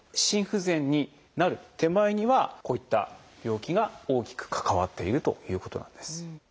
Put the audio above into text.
心不全になる手前にはこういった病気が大きく関わっているということなんです。